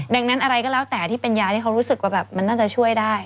ดังนั้นอะไรก็แล้วแต่ที่เป็นยาที่เขารู้สึกว่าแบบมันน่าจะช่วยได้